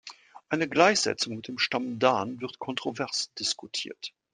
Eine Gleichsetzung mit dem Stamm Dan wird kontrovers diskutiert.